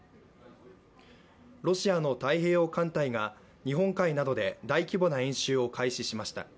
ロシアの太平洋艦隊が日本海などで大規模な演習を開始しました。